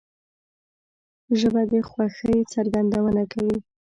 ژبه د خوښۍ څرګندونه کوي